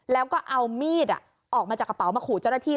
แล้วก็เอามีดออกมาจากกระเป๋ามาขู่เจ้าหน้าที่